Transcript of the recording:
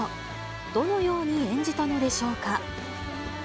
どのように演じたのでしょうか。